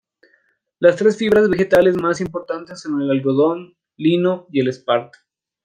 Las tres fibras vegetales más importantes son el algodón, el lino y el esparto.